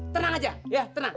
tenang aja ya